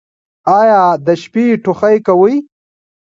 ایا د شپې ټوخی کوئ؟